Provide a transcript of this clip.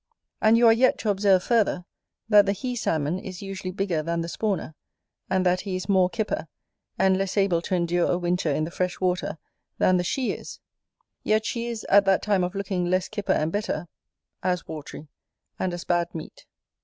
And you are yet to observe further, that the He salmon is usually bigger than the Spawner; and that he is more kipper, and less able to endure a winter in the fresh water than the She is: yet she is, at that time of looking less kipper and better, as watry, and as bad meat.